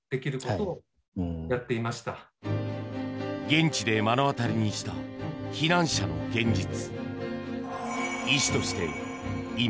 現地で目の当たりにした避難者の現実。